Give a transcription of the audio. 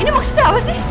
ini maksudnya apa sih